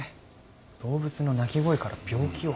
動物の鳴き声から病気を。